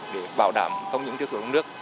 để bảo đảm không những tiêu chuẩn nước